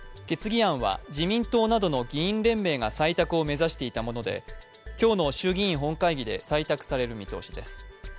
決議案は自民党などの議員連盟が採択を目指していたもので今日の衆議院本会議で採択される見通しです。